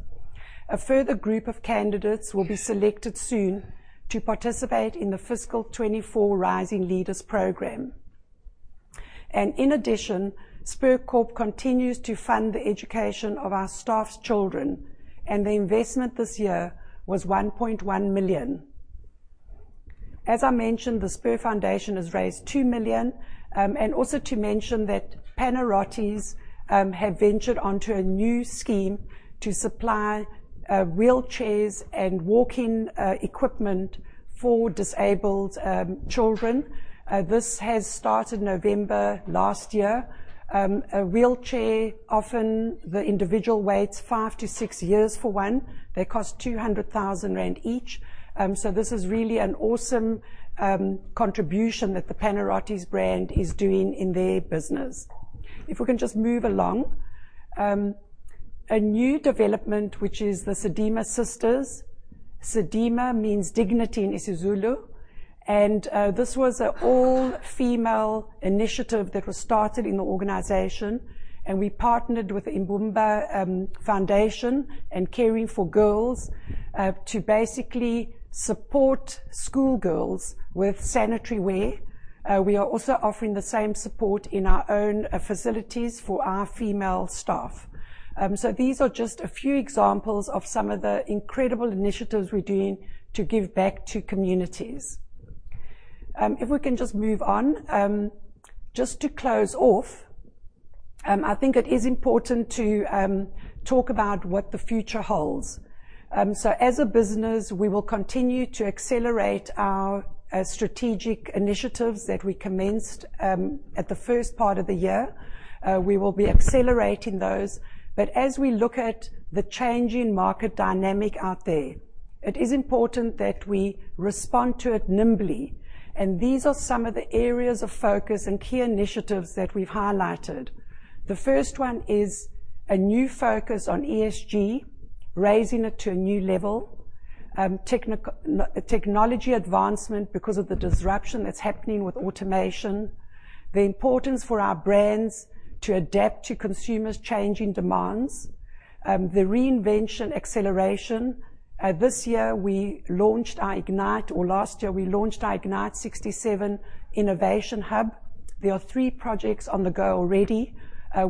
A: A further group of candidates will be selected soon to participate in the fiscal 2024 Rising Leaders program. In addition, Spur Corp continues to fund the education of our staff's children, and the investment this year was 1.1 million. As I mentioned, the Spur Foundation has raised 2 million. Also to mention that Panarottis have ventured onto a new scheme to supply wheelchairs and walking equipment for disabled children. This has started November last year. A wheelchair, often the individual waits 5-6 years for one. They cost 200,000 rand each. This is really an awesome contribution that the Panarottis brand is doing in their business. If we can just move along. A new development, which is the Sadima Sisters. Sadima means dignity in isiZulu, this was an all-female initiative that was started in the organization, we partnered with Imbumba Foundation and Caring4Girls to basically support schoolgirls with sanitary wear. We are also offering the same support in our own facilities for our female staff. These are just a few examples of some of the incredible initiatives we're doing to give back to communities. If we can just move on. Just to close off, I think it is important to talk about what the future holds. As a business, we will continue to accelerate our strategic initiatives that we commenced at the first part of the year. We will be accelerating those. As we look at the changing market dynamic out there, it is important that we respond to it nimbly, and these are some of the areas of focus and key initiatives that we've highlighted. The first one is a new focus on ESG, raising it to a new level. Technology advancement because of the disruption that's happening with automation. The importance for our brands to adapt to consumers' changing demands. The reinvention acceleration. This year we launched our Ignite, or last year we launched our Ignite67 Innovation Hub. There are three projects on the go already.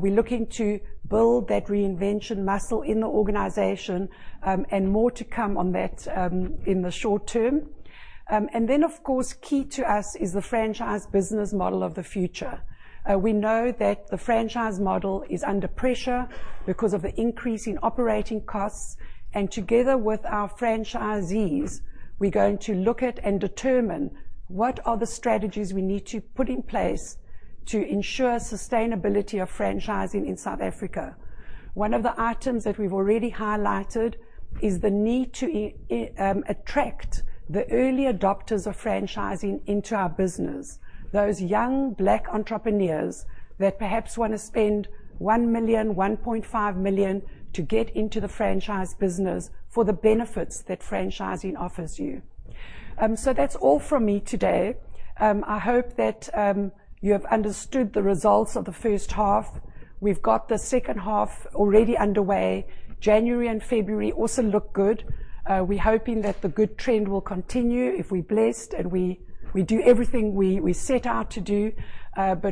A: We're looking to build that reinvention muscle in the organization, and more to come on that in the short term. Of course, key to us is the franchise business model of the future. We know that the franchise model is under pressure because of the increase in operating costs, and together with our franchisees, we're going to look at and determine what are the strategies we need to put in place to ensure sustainability of franchising in South Africa. One of the items that we've already highlighted is the need to attract the early adopters of franchising into our business. Those young Black entrepreneurs that perhaps wanna spend 1 million, 1.5 million to get into the franchise business for the benefits that franchising offers you. That's all from me today. I hope that you have understood the results of the first half. We've got the second half already underway. January and February also look good. We're hoping that the good trend will continue if we're blessed and we do everything we set out to do.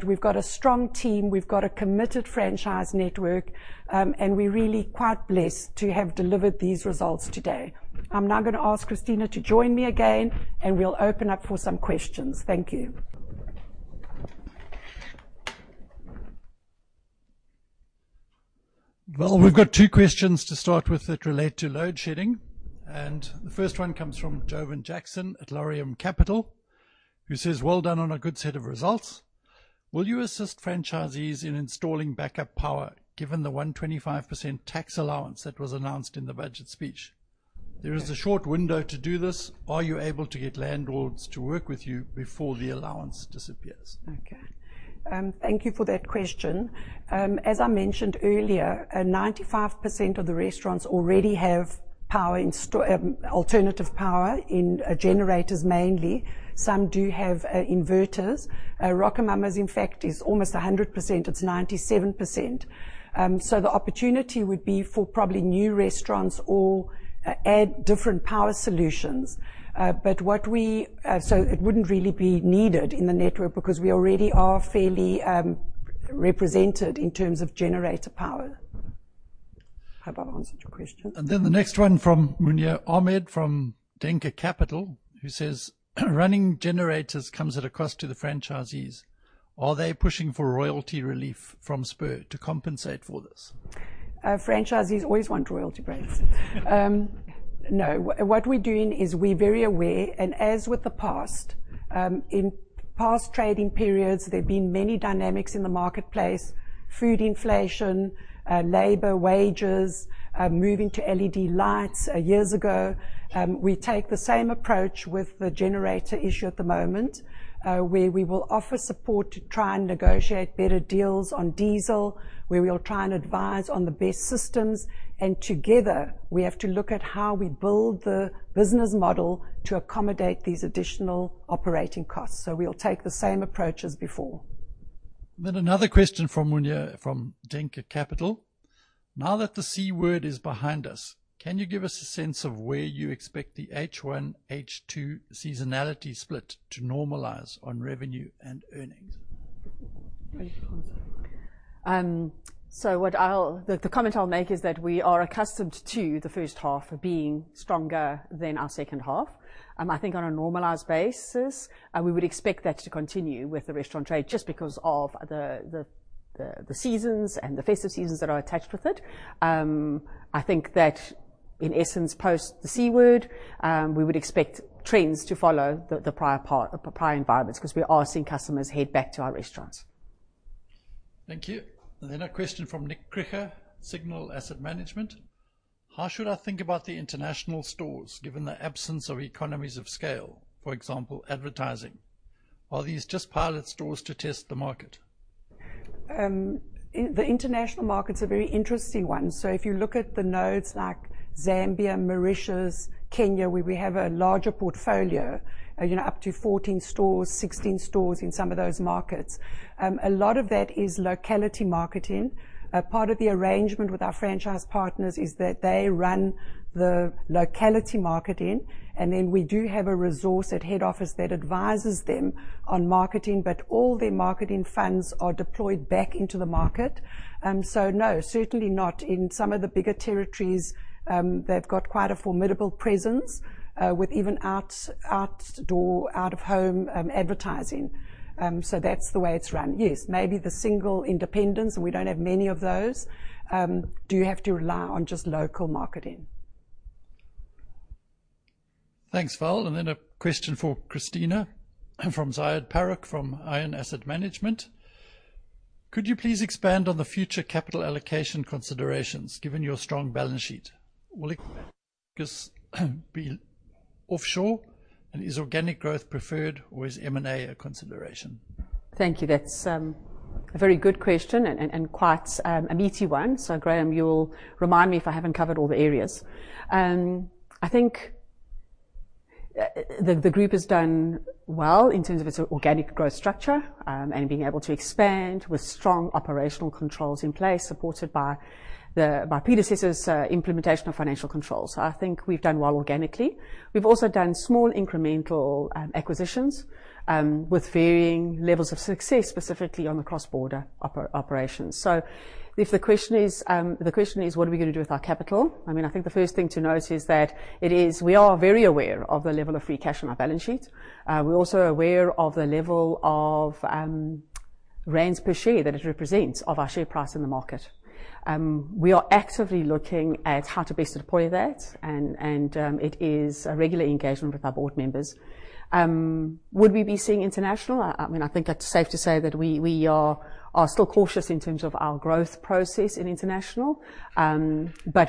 A: We've got a strong team, we've got a committed franchise network, and we're really quite blessed to have delivered these results today. I'm now gonna ask Cristina to join me again. We'll open up for some questions. Thank you.
C: We've got 2 questions to start with that relate to load shedding, the first one comes from Jovan Jackson at Laurium Capital, who says, "Well done on a good set of results. Will you assist franchisees in installing backup power given the 125% tax allowance that was announced in the budget speech? There is a short window to do this. Are you able to get landlords to work with you before the allowance disappears?
A: Okay. Thank you for that question. As I mentioned earlier, 95% of the restaurants already have power in alternative power in generators mainly. Some do have inverters. RocoMamas, in fact, is almost 100%. It's 97%. The opportunity would be for probably new restaurants or add different power solutions. It wouldn't really be needed in the network because we already are fairly represented in terms of generator power. Hope I've answered your question.
C: The next one from Munir Ahmed from Denker Capital, who says, "Running generators comes at a cost to the franchisees. Are they pushing for royalty relief from Spur to compensate for this?
A: Franchisees always want royalty breaks. No. What we're doing is we're very aware, and as with the past, in past trading periods, there've been many dynamics in the marketplace: food inflation, labor wages, moving to LED lights, years ago. We take the same approach with the generator issue at the moment, where we will offer support to try and negotiate better deals on diesel, where we'll try and advise on the best systems. Together, we have to look at how we build the business model to accommodate these additional operating costs, so we'll take the same approach as before.
C: Another question from Munir from Denker Capital: "Now that the C word is behind us, can you give us a sense of where you expect the H1, H2 seasonality split to normalize on revenue and earnings?
A: Very good one, sorry. The comment I'll make is that we are accustomed to the first half being stronger than our second half. I think on a normalized basis, we would expect that to continue with the restaurant trade just because of the seasons and the festive seasons that are attached with it. I think that in essence, post the C word, we would expect trends to follow the prior part, prior environments, 'cause we are seeing customers head back to our restaurants.
C: Thank you. A question from Nick Kriecher, Signal Asset Management: "How should I think about the international stores, given the absence of economies of scale, for example, advertising? Are these just pilot stores to test the market?
A: The international market's a very interesting one. If you look at the nodes like Zambia, Mauritius, Kenya, where we have a larger portfolio, you know, up to 14 stores, 16 stores in some of those markets, a lot of that is locality marketing. A part of the arrangement with our franchise partners is that they run the locality marketing, and then we do have a resource at head office that advises them on marketing, but all their marketing funds are deployed back into the market. No, certainly not. In some of the bigger territories, they've got quite a formidable presence, with even out-of-home advertising. That's the way it's run. Yes, maybe the single independents, and we don't have many of those, do have to rely on just local marketing.
C: Thanks, Val. Then a question for Cristina from Ziad Parak from Ion Asset Management. Could you please expand on the future capital allocation considerations given your strong balance sheet? Will it just be offshore, and is organic growth preferred or is M&A a consideration?
B: Thank you. That's a very good question and quite a meaty one. Graham, you'll remind me if I haven't covered all the areas. I think the group has done well in terms of its organic growth structure and being able to expand with strong operational controls in place, supported by predecessor's implementation of financial controls. I think we've done well organically. We've also done small incremental acquisitions with varying levels of success, specifically on the cross-border operations. If the question is what are we gonna do with our capital? I mean, I think the first thing to note is that it is we are very aware of the level of free cash on our balance sheet. We're also aware of the level of ZAR per share that it represents of our share price in the market. We are actively looking at how to best deploy that and it is a regular engagement with our board members. Would we be seeing international? I mean, I think that's safe to say that we are still cautious in terms of our growth process in international.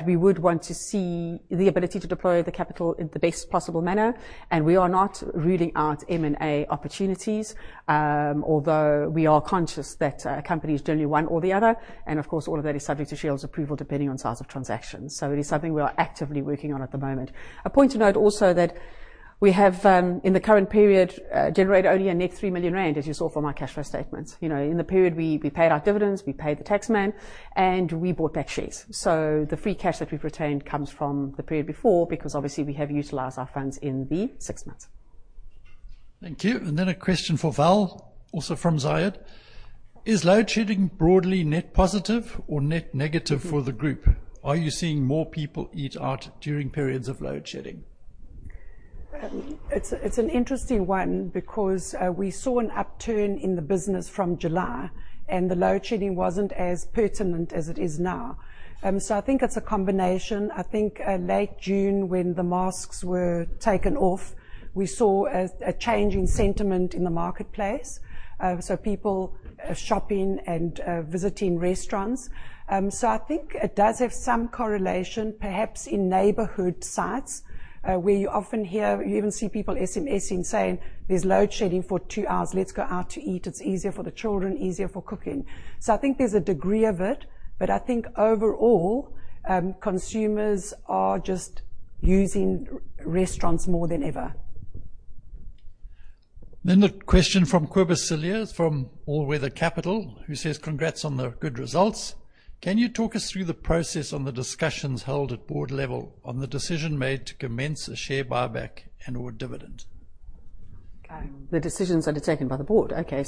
B: We would want to see the ability to deploy the capital in the best possible manner, we are not ruling out M&A opportunities, although we are conscious that a company is generally one or the other, of course all of that is subject to shareholders approval, depending on size of transactions. It is something we are actively working on at the moment. A point to note also that we have, in the current period, generated only a net 3 million rand, as you saw from our cash flow statements. You know, in the period we paid our dividends, we paid the tax man, and we bought back shares. The free cash that we've retained comes from the period before because obviously we have utilized our funds in the six months.
C: Thank you. A question for Val, also from Ziad. Is load shedding broadly net positive or net negative for the group? Are you seeing more people eat out during periods of load shedding?
A: It's an interesting one because we saw an upturn in the business from July. The load shedding wasn't as pertinent as it is now. I think it's a combination. I think late June when the masks were taken off, we saw a change in sentiment in the marketplace, people shopping and visiting restaurants. I think it does have some correlation, perhaps in neighborhood sites, where you often hear or you even see people SMSing saying, "There's load shedding for two hours. Let's go out to eat. It's easier for the children, easier for cooking." I think there's a degree of it. I think overall, consumers are just using restaurants more than ever.
C: The question from Cobus Cilliers from All Weather Capital, who says, congrats on the good results. Can you talk us through the process on the discussions held at board level on the decision made to commence a share buyback and or dividend?
B: Okay. The decisions that are taken by the board. Okay.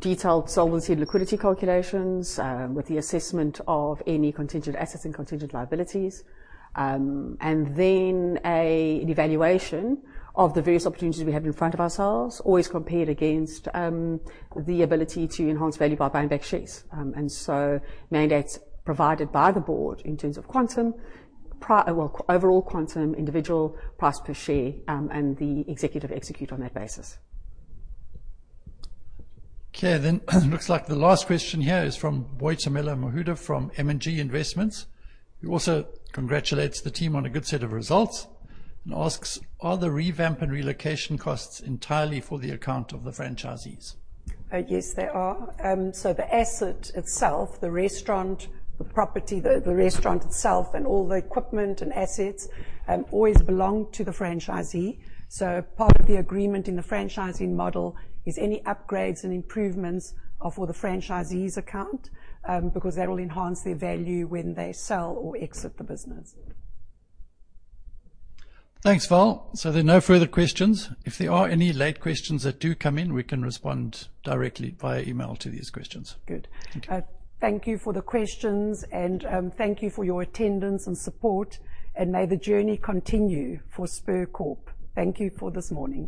B: Detailed solvency and liquidity calculations, with the assessment of any contingent assets and contingent liabilities. Then an evaluation of the various opportunities we have in front of ourselves, always compared against the ability to enhance value by buying back shares. Mandates provided by the board in terms of quantum, overall quantum, individual price per share, and the executive execute on that basis.
C: Looks like the last question here is from Boitumelo Mahudu from M&G Investments, who also congratulates the team on a good set of results and asks: Are the revamp and relocation costs entirely for the account of the franchisees?
A: Yes, they are. The asset itself, the restaurant, the property, the restaurant itself and all the equipment and assets, always belong to the franchisee. Part of the agreement in the franchising model is any upgrades and improvements are for the franchisee's account, because that will enhance their value when they sell or exit the business.
C: Thanks, Val. There are no further questions. If there are any late questions that do come in, we can respond directly via email to these questions.
B: Good.
D: Thank you.
A: Thank you for the questions and, thank you for your attendance and support, and may the journey continue for Spur Corp. Thank you for this morning.